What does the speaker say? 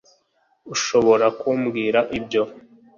ushobora kumbwira ibyo